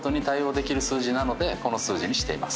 この数字にしています。